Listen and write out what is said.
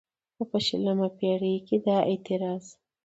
خو په شلمه پېړۍ کې دا اعتراض